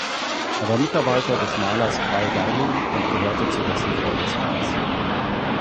Er war Mitarbeiter des Malers Carl Geyling und gehörte zu dessen Freundeskreis.